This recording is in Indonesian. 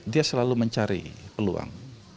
dia selalu mencari peluang